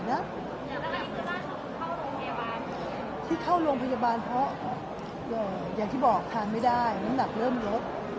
เปลี่ยนที่ที่เข้าโรงพยาบาลเพราะอย่างที่บอกความไม่ได้น้ำหนักเริ่มลด